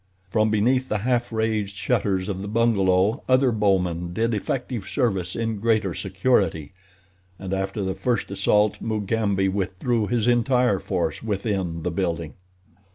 From beneath the half raised shutters of the bungalow other bowmen did effective service in greater security, and after the first assault, Mugambi withdrew his entire force within the building.